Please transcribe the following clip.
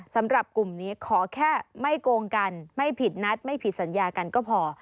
สำหรับกลุ่มนี้ขอแค่ไม่โกงกันไม่ผิดนัดไม่ผิดสัญญากันก็พอ